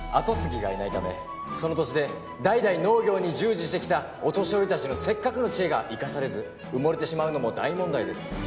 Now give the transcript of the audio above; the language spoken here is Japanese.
後継ぎがいないためその土地で代々農業に従事してきたお年寄りたちのせっかくの知恵が生かされず埋もれてしまうのも大問題です。